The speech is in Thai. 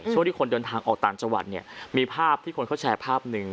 ช่วงที่คนเดินทางออกต่างจังหวัดเนี่ยมีภาพที่คนเขาแชร์ภาพหนึ่ง